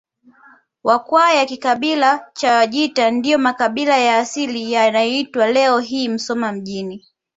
Wakwaya kikabila cha Wajita ndiyo makabila ya asili ya inayoitwa leo hii Musoma mjini